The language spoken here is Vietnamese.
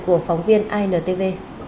của phóng viên intv